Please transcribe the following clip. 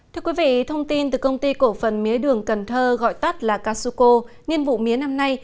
thưa quý vị thông tin từ công ty cổ phần mía đường cần thơ gọi tắt là casuco nhiên vụ mía năm nay